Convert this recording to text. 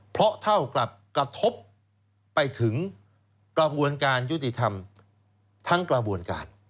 เพราะเท่ากับกระทบไปถึงกระบวนการยุติธรรมทั้งกระบวนการ